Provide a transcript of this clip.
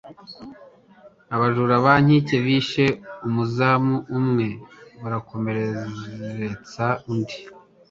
Abajura ba banki bishe umuzamu umwe barakomeretsa undi.